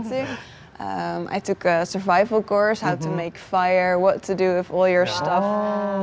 saya mengambil kursus kemanusiaan cara membuat api